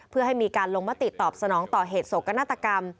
เพื่อให้มีการลงมติตอบสนองต่อเหตุโศกนาฏกรรม